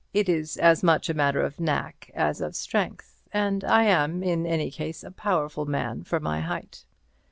It is as much a matter of knack as of strength, and I am, in any case, a powerful man for my height.